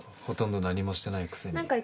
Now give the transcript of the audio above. ほとんど何もしてないくせに。